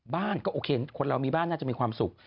บ้านก็โอเคคนเรามีบ้านน่าจะมีความสุข